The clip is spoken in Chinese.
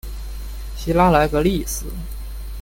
希拉莱格利斯。